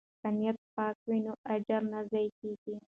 که نیت پاک وي نو اجر نه ضایع کیږي.